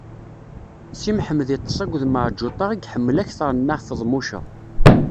Si Mḥemmed iṭṭeṣ akked Meɛǧuṭa i yeḥemmel akteṛ n Nna Feḍmuca.